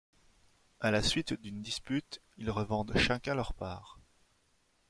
À la suite d'une dispute, ils revendent chacun leurs parts.